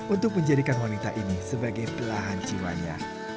untuk menjadikan wanita ini sebagai belahan jiwanya